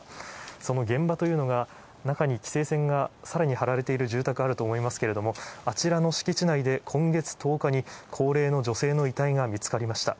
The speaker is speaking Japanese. その現場というのが、中に規制線がさらに張られている、住宅あると思いますけれども、あちらの敷地内で今月１０日に高齢の女性の遺体が見つかりました。